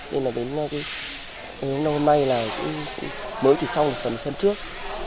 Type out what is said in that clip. nên là đến hôm nay là mới chỉ xong một phần sân trước